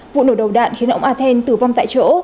vụ nổ đầu đạn khiến ông athen tử vong tại chỗ